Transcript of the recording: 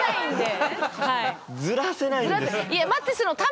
ずらせないんです。